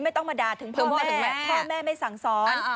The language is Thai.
ไม่ต้องมาด่าถึงผมพ่อแม่ไม่สั่งซ้อน